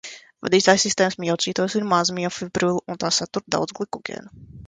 Vadītājsistēmas miocītos ir maz miofibrillu un tās satur daudz glikogēna.